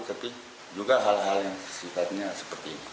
tapi juga hal hal yang sifatnya seperti ini